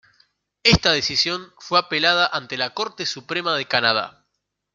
Esta decisión fue apelada ante la Corte Suprema de Canadá.